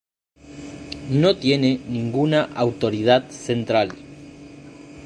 No tiene ninguna autoridad central.